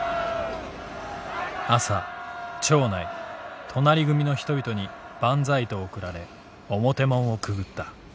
「朝町内隣組の人々にばんざいと送られ表門をくぐった。